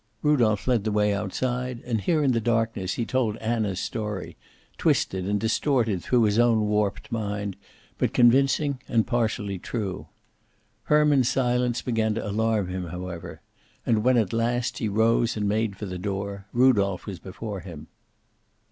Rudolph led the way outside, and here in the darkness he told Anna's story, twisted and distorted through his own warped mind, but convincing and partially true. Herman's silence began to alarm him, however, and when at last he rose and made for the door, Rudolph was before him.